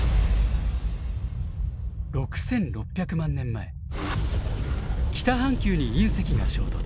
６，６００万年前北半球に隕石が衝突。